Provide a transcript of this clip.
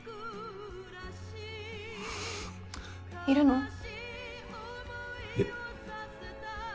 いるの？